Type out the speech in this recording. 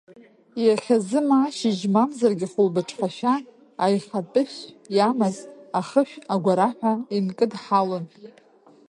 Иахьазны, ма ашьыжь, мамзаргьы хәылбыҽхашәа, аихатәышә иамаз ахышә агәараҳәа инкыдҳалон.